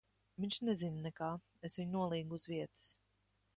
Viņš nezina nekā. Es viņu nolīgu uz vietas.